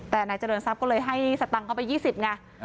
แต่นายเจริญทรัพย์ก็เลยให้สตังค์เข้าไป๒๐ไง